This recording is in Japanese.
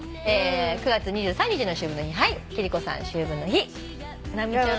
「９／２３」の「秋分の日」はい貴理子さん「秋分の日」直美ちゃんは？